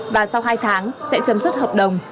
và sau hai tháng sẽ chấm dứt hợp đồng